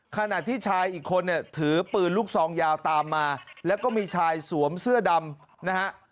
ขณะที่ชายอีกคนเนี่ยถือปืนลูกซองยาวตามมาแล้วก็มีชายสวมเสื้อดำนะฮะ